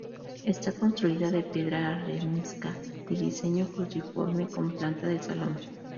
Está construida de piedra arenisca y diseño cruciforme, con planta de salón.